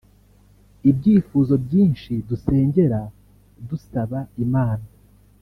ibyifuzo byinshi dusengera dusaba Imana